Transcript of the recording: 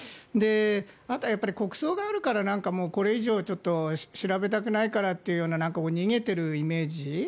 あとは国葬があるからこれ以上調べたくないからという逃げているイメージ。